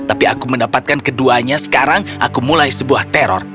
tapi aku mendapatkan keduanya sekarang aku mulai sebuah teror